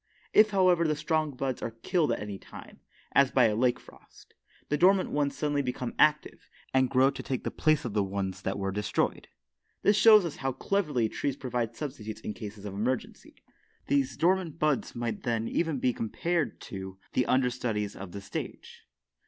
If, however, the stronger buds are killed at any time, as by a late frost, the dormant ones suddenly become active, and grow to take the place of the ones that were destroyed. This shows us how cleverly trees provide substitutes for cases of emergency. These dormant buds then might even be compared to the understudies of the stage.